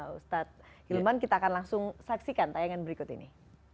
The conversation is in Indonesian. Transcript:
ustadz hilman kita akan langsung saksikan tayangan berikut ini